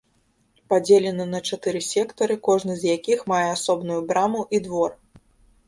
Падзелена на чатыры сектары, кожны з якіх мае асобную браму і двор.